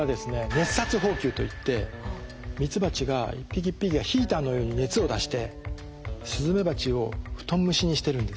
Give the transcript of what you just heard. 熱殺蜂球といってミツバチが一匹一匹がヒーターのように熱を出してスズメバチを布団蒸しにしてるんですね。